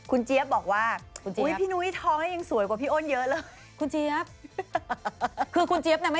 อืม